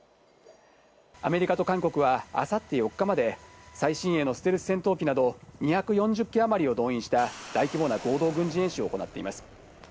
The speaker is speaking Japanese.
アメリカと韓国は明後日４日まで最新鋭のステルス戦闘機など２４０機あまりを動員した大規模な合同軍事演習を行っています。